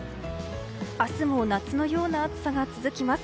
明日も夏のような暑さが続きます。